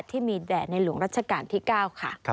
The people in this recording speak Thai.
ที่มีแด่ในหลวงรัชกาลที่๙ค่ะ